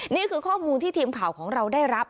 นี่คือข้อมูลที่ทีมข่าวของเราได้รับ